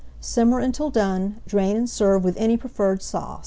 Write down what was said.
Simmer until done, drain and serve with any preferred sauce.